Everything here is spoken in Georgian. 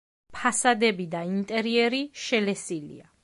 ფასადები და ინტერიერი შელესილია.